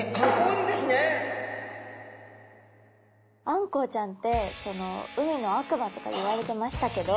あんこうちゃんって海の悪魔とかいわれてましたけど。